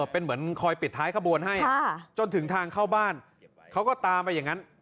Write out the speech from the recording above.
เป็นเหมือนคอยปิดท้ายขบวนให้จนถึงทางเข้าบ้านเขาก็ตามไปอย่างนั้น